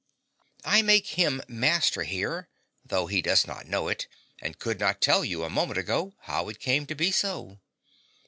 I make him master here, though he does not know it, and could not tell you a moment ago how it came to be so.